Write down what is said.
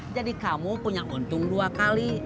jadi kamu punya untung dua kali